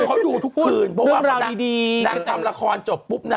เค้าดูทุกคืนเพราะว่าก่อนนนักทำละครจบปุ๊บนะ